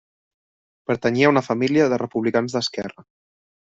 Pertanyia a una família de republicans d'esquerra.